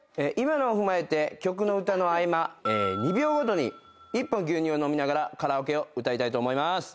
今のを踏まえて曲の歌の合間２秒ごとに１本牛乳を飲みながらカラオケを歌いたいと思いまーす。